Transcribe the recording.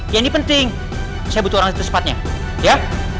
ya ini penting saya butuh orang yang tersepatnya ya